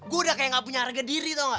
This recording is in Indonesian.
gue udah kayak gak punya harga diri tuh gak